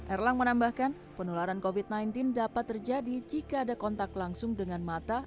erlang menambahkan penularan covid sembilan belas dapat terjadi jika ada kontak langsung dengan mata